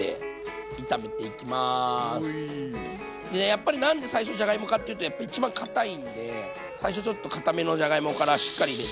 やっぱり何で最初じゃがいもかっていうとやっぱ一番かたいんで最初ちょっとかためのじゃがいもからしっかり入れていきます。